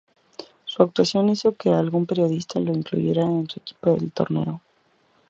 Su actuación hizo que algún periodista lo incluyera en su equipo del torneo.